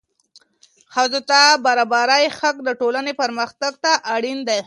ښځو ته د برابرۍ حق د ټولنې پرمختګ ته اړین دی.